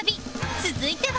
続いては